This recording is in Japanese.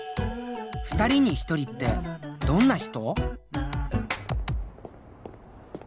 ２人に１人ってどんな人？